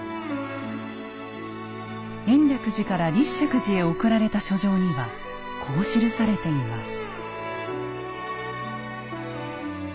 延暦寺から立石寺へ送られた書状にはこう記されています。